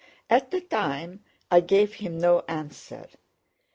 At the time I gave him no answer.